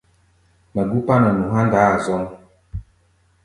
Mɛ gú kpána nu há̧ ndaá-a zɔ́m.